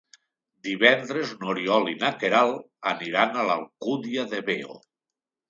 Divendres n'Oriol i na Queralt aniran a l'Alcúdia de Veo.